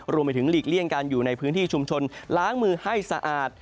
หลีกเลี่ยงการอยู่ในพื้นที่ชุมชนล้างมือให้สะอาด